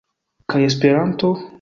Kaj Esperanto?